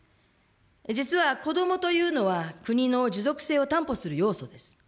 実は子どもというのは、国の持続性を担保する要素です。